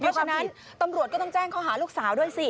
เพราะฉะนั้นตำรวจก็ต้องแจ้งข้อหาลูกสาวด้วยสิ